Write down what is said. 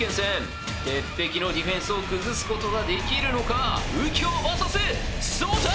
鉄壁のディフェンスを崩すことができるのか⁉佑京バーサスそうた！